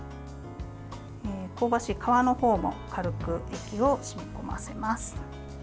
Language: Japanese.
香ばしい皮のほうも軽く液を染み込ませます。